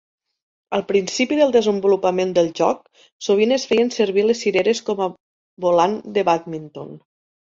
Al principi del desenvolupament del joc, sovint es feien servir les cireres com a volant de bàdminton.